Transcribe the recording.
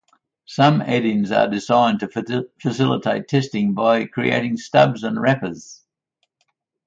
Some add-ins are designed to facilitate testing by creating stubs and wrappers.